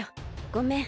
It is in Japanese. ごめん。